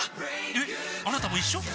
えっあなたも一緒？